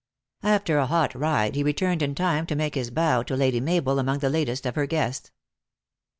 After a hot ride he re turned in time to make his bow to Lady Mabel among the latest of her guests.